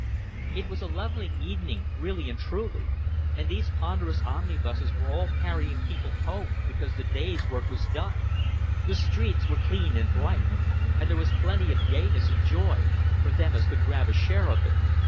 It was a lovely evening really and truly, and these ponderous omnibuses were all carrying people home because the day's work was done. The streets were clean and bright; and there was plenty of gayness and joy for them as could grab a share of it.